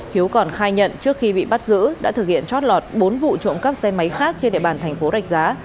hiếu còn khai nhận trước khi bị bắt giữ đã thực hiện trót lọt bốn vụ trộm cắp xe máy khác trên địa bàn thành phố rạch giá